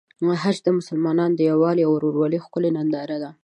حج د مسلمانانو د یووالي او ورورولۍ ښکلی ننداره ده.